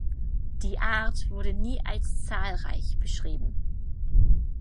Die Art wurde nie als zahlreich beschrieben.